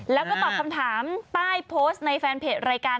แล้วก็ตอบคำถามใต้โพสต์ในแฟนเพจรายการ